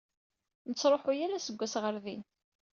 Netruḥu yal aseggas ɣer din.